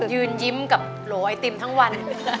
ยืนยิ้มกับโหลไอติมทั้งวัน